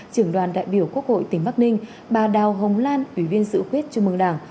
trưởng đoàn đại biểu quốc hội tỉnh bắc ninh bà đào hồng lan ủy viên sự khuyết trung mương đảng